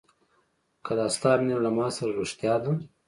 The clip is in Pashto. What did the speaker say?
که د ستا مینه له ما سره رښتیا ده.